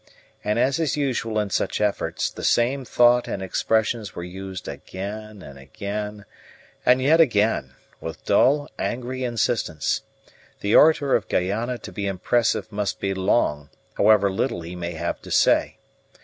And as is usual in such efforts, the same thought and expressions were used again and again, and yet again, with dull, angry insistence. The orator of Guayana to be impressive must be long, however little he may have to say.